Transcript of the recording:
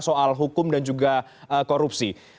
soal hukum dan juga korupsi